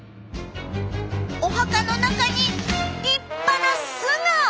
お墓の中に立派な巣が！